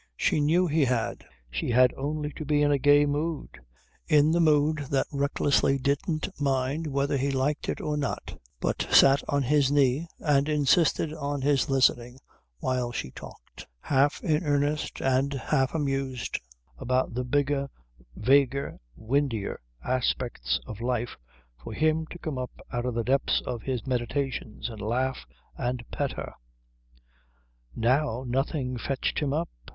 She knew he had. She had only to be in a gay mood, in the mood that recklessly didn't mind whether he liked it or not but sat on his knee and insisted on his listening while she talked, half in earnest and half amused, about the bigger, vaguer, windier aspects of life, for him to come up out of the depths of his meditations and laugh and pet her. Now nothing fetched him up.